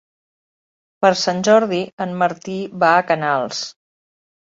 Per Sant Jordi en Martí va a Canals.